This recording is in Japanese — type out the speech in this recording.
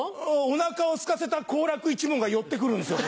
お腹をすかせた好楽一門が寄って来るんですよ